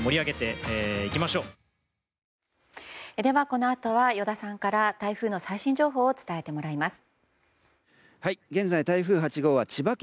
このあとは依田さんから台風の最新情報を伝えてもらいます。